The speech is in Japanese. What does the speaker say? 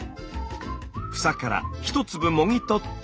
房から１粒もぎ取って。